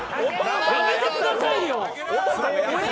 やめてくださいよ。